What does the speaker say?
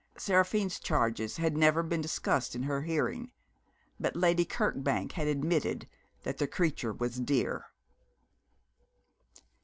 Seraphine's charges had never been discussed in her hearing but Lady Kirkbank had admitted that the creature was dear.